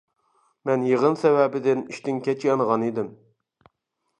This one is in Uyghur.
مەن يىغىن سەۋەبىدىن ئىشتىن كەچ يانغانىدىم.